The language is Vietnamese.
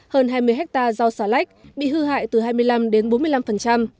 hơn hai mươi hectare rau xà lách bị hư hại từ hai mươi năm đến bốn mươi năm